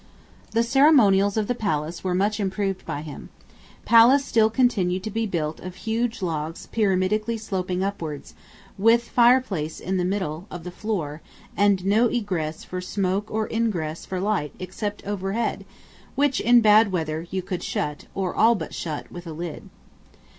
The ceremonials of the palace were much improved by him. Palace still continued to be built of huge logs pyramidally sloping upwards, with fireplace in the middle of the floor, and no egress for smoke or ingress for light except right overhead, which, in bad weather, you could shut, or all but shut, with a lid.